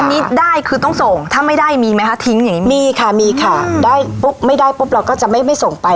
อันนี้ได้คือต้องส่งถ้าไม่ได้มีไหมคะทิ้งอย่างนี้ไหมมีค่ะมีค่ะได้ปุ๊บไม่ได้ปุ๊บเราก็จะไม่ไม่ส่งไป